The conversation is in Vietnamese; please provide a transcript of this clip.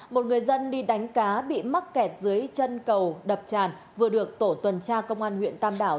một người dân đi đánh cá bị mắc kẹt dưới chân cầu đập tràn vừa được tổ tuần tra công an huyện tam đảo